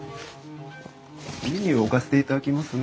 メニュー置かせていただきますね。